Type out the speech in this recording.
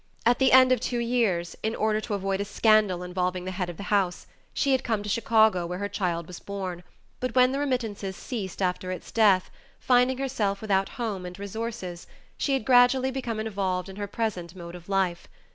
At the end of two years, in order to avoid a scandal involving the head of the house, she had come to Chicago where her child was born, but when the remittances ceased after its death, finding herself without home and resources, she had gradually become involved in her present mode of life.